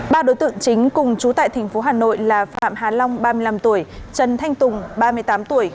ba đối tượng chính cùng chú tại thành phố hà nội là phạm hà long ba mươi năm tuổi trần thanh tùng ba mươi tám tuổi